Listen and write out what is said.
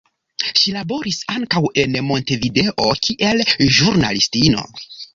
Ŝi laboris ankaŭ en Montevideo kiel ĵurnalistino.